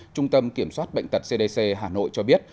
trung tâm kiểm soát bệnh tật cdc hà nội cho biết